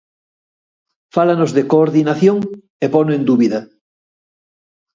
Fálanos de coordinación e pono en dúbida.